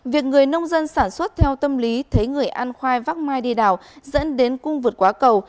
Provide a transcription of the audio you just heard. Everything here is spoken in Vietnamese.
việc người nông dân sản xuất theo tâm lý thấy người ăn khoai vắc mai đi đào dẫn đến cung vượt quá cầu